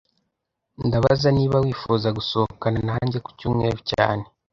Ndabaza niba wifuza gusohokana nanjye kucyumweru cyane